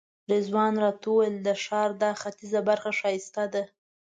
رضوان راته وویل د ښار دا ختیځه برخه ښایسته ده.